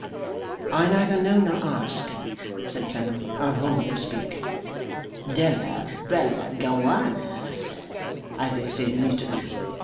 'I neither know nor ask,' said Clennam, 'of whom you speak.' 'Della bella Gowana, sir, as they say in Italy.